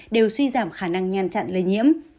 đều suy giảm khả năng nhan chặn lây nhiễm